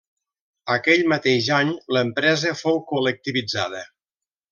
Aquell mateix any, l'empresa fou col·lectivitzada.